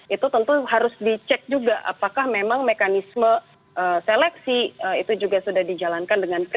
itu tentu harus dicek juga apakah memang mekanisme seleksi itu juga sudah dijalankan dengan kritis